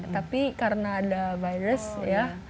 tapi karena ada virus ya